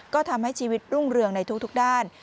ก็ทำให้ชีวิตรุ่งเรืองในทุกด้าน